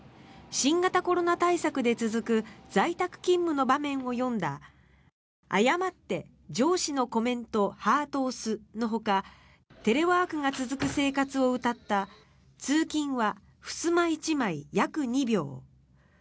新型コロナ対策で続く在宅勤務の場面を詠んだ「誤って上司のコメントハート押す」のほかテレワークが続く生活をうたった「通勤は襖１枚約二秒」。